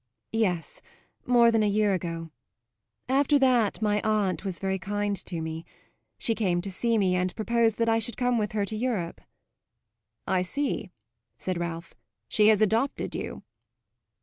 "Yes; more than a year ago. After that my aunt was very kind to me; she came to see me and proposed that I should come with her to Europe." "I see," said Ralph. "She has adopted you."